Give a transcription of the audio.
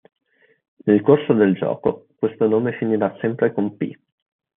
Nel corso del gioco, questo nome finirà sempre con "-P".